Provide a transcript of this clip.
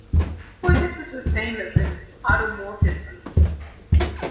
For this is the same as an automorphism.